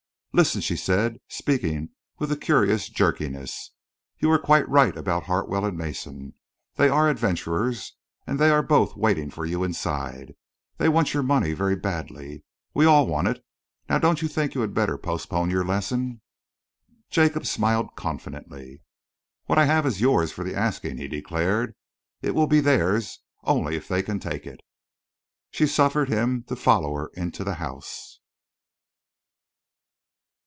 "Listen," she said, speaking with a curious jerkiness. "You were quite right about Hartwell and Mason. They are adventurers and they are both waiting for you inside. They want your money very badly. We all want it. Now don't you think you had better postpone your lesson?" Jacob smiled confidently. "What I have is yours for the asking," he declared. "It will be theirs only if they can take it." She suffered him to follow her into the house.